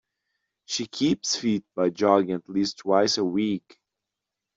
She keeps fit by jogging at least twice a week.